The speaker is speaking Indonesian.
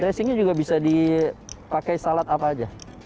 ya dressingnya juga bisa dipakai salad apa aja